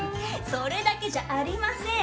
それだけじゃありません。